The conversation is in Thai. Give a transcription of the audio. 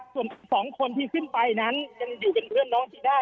ส่วนสองที่ขึ้นไกลนั้นอยู่บริเวณน้องสีนา